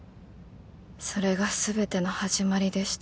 それがすべての始まりでした。